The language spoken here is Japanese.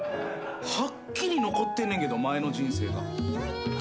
はっきり残ってんねんけど前の人生が。